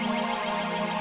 iya ini siapa nih bisa bertemu